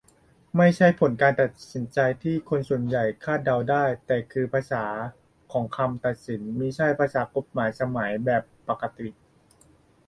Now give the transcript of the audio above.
ไม่ใช่ผลการตัดสิน ที่คนส่วนใหญ่คาดเดาได้ แต่คือภาษาของคำตัดสิน- มิใช่ภาษากฎหมายสมัยใหม่แบบปรกติ